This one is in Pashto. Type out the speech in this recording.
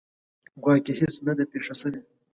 ګواکې هیڅ نه ده پېښه شوې.